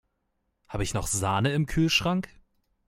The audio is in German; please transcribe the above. Habe ich noch Sahne im Kühlschrank?